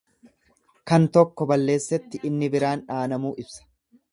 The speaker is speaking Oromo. Kan tokko balleessetti inni biraan dhaanamuu ibsa.